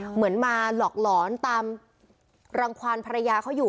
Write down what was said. เหมือนมาหลอกหลอนตามรังความภรรยาเขาอยู่